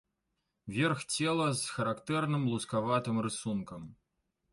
Верх цела з характэрным лускаватым рысункам.